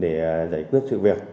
để giải quyết sự việc